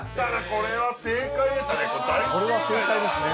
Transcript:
これは正解ですね